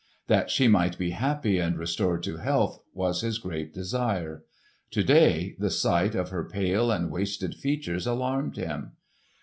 That she might be happy and restored to health was his great desire. To day the sight of her pale and wasted features alarmed him.